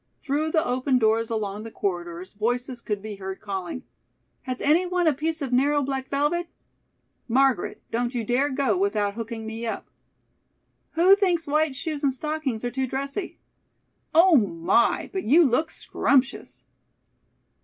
Through the open doors along the corridors voices could be heard calling: "Has anyone a piece of narrow black velvet?" "Margaret, don't you dare go without hooking me up!" "Who thinks white shoes and stockings are too dressy?" "Oh my, but you look scrumptious!"